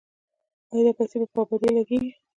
آیا دا پیسې په ابادۍ لګیږي؟